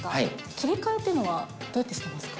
切り替えっていうのは、どうやってしてますか。